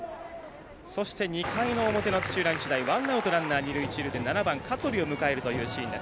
そして、２回の表の土浦日大ワンアウト、ランナー二塁、一塁で香取を迎えるというシーン。